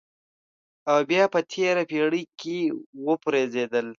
او بیا په تېره پېړۍ کې وپرځېدل.